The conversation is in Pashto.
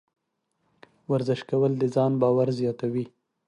ورزش کول د ځان باور زیاتوي.